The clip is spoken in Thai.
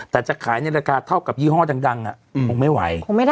แต่จะขายในราคาเท่ากับยี่ห้อดังคงไม่ไหว